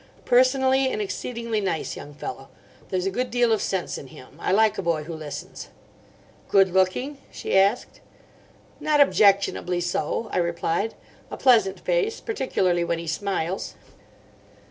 "Personally, an exceedingly nice young fellow. There's a good deal of sense in him. I like a boy who listens." "Good looking?" she asked. "Not objectionably so," I replied. "A pleasant face—particularly when he smiles."